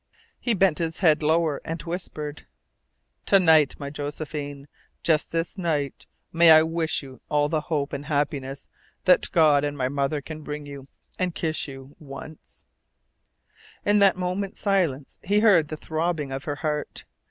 He bent his head lower and whispered: "To night, my Josephine just this night may I wish you all the hope and happiness that God and my Mother can bring you, and kiss you once " In that moment's silence he heard the throbbing of her heart.